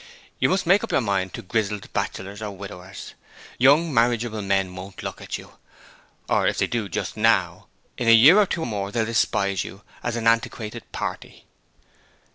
You must make up your mind to grizzled bachelors or widowers. Young marriageable men won't look at you; or if they do just now, in a year or two more they'll despise you as an antiquated party.'